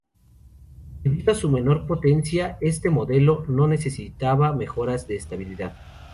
Debido a su menor potencia este modelo no necesitaba mejoras de estabilidad.